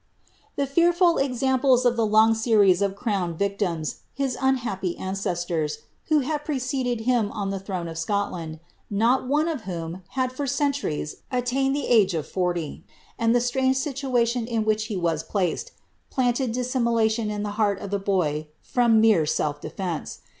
The fearful examples of the long series of crowned victims, his un h^py ancestore, who had preceded him on the throne of Scotland, not one of whom had for centuries attained the age of forty, and the strange situation in which he was placed, planted dissimulation in the heart of the boy from mere self defence.